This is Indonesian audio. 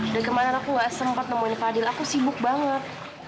dari kemarin aku gak sempat nemuin fadil aku sibuk banget